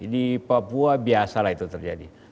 di papua biasalah itu terjadi